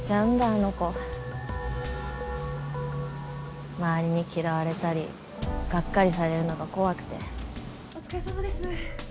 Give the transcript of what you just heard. あの子周りに嫌われたりがっかりされるのが怖くてお疲れさまです